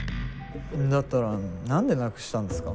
だったら何でなくしたんですか？